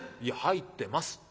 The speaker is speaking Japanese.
『いや入ってます。